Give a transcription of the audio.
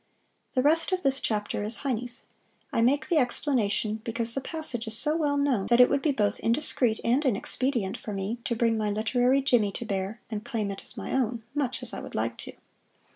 The rest of this chapter is Heine's. I make the explanation because the passage is so well known that it would be both indiscreet and inexpedient for me to bring my literary jimmy to bear and claim it as my own much as I would like to.